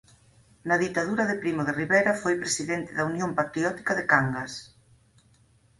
Na ditadura de Primo de Rivera foi presidente da Unión Patriótica de Cangas.